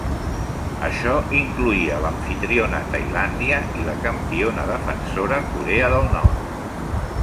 Això incloïa l'amfitriona Tailàndia i la campiona defensora Corea del Nord.